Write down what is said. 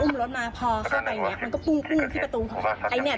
พอเข้าไปก็มันก็พูชนที่ประตู